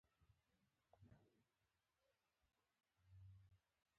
دواړه نوي ځوانان دي.